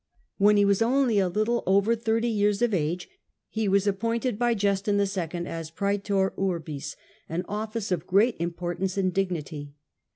When he was only a little over thirty years of ; age he was appointed by Justin II. as Prcetor Urbis, an office of great importance and dignity.